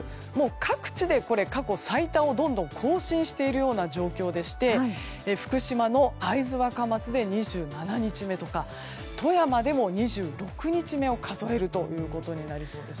各地で過去最多をどんどん更新しているような状況でして福島の会津若松で２７日目とか富山でも２６日目を数えることになりそうです。